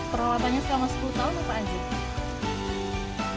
perawatan selama sepuluh tahun apa pak